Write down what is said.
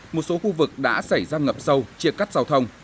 một số khu vực đã xảy ra ngập sâu chia cắt giao thông